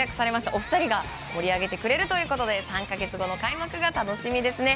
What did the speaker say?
お二人が盛り上げてくれるということで３か月後の開幕が楽しみですね。